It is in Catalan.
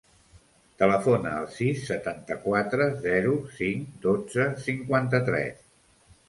Telefona al sis, setanta-quatre, zero, cinc, dotze, cinquanta-tres.